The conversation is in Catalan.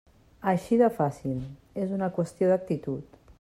Així de fàcil, és una qüestió d'actitud.